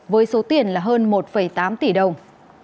với số tiền là hơn một tám tỷ đồng